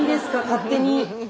勝手に。